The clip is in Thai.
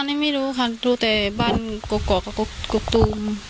อันนี้ไม่รู้ค่ะรู้แต่บ้านกรอกตูม